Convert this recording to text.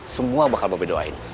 semua bakal babe doain